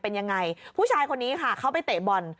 เป็นยังไงผู้ชายคนนี้ค่ะเขาไปเตะบอล